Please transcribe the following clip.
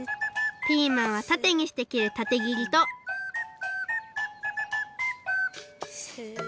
ピーマンはたてにして切るたて切りとスッ。